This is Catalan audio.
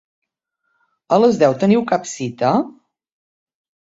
A les deu teniu cap cita?